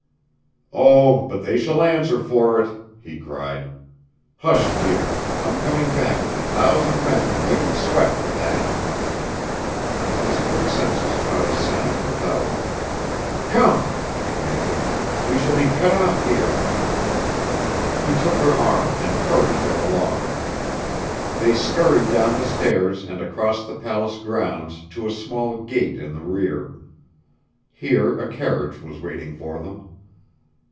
"Oh, but they shall answer for it!" he cried. "Hush, dear. I'm coming back with a thousand men and make 'em sweat for that." His quick senses caught a sound without. "Come," he commanded, "we shall be cut off here." He took her arm and hurried her along. They scurried down the stairs and across the palace grounds to a small gate in the rear. Here a carriage was waiting for them.